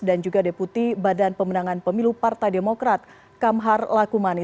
dan juga deputi badan pemenangan pemilu partai demokrat kamhar lakumani